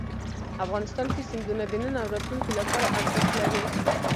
افغانستان کې سیندونه د نن او راتلونکي لپاره ارزښت لري.